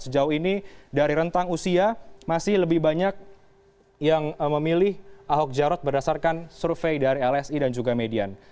sejauh ini dari rentang usia masih lebih banyak yang memilih ahok jarot berdasarkan survei dari lsi dan juga median